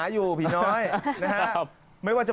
ปลูกมะพร้าน้ำหอมไว้๑๐ต้น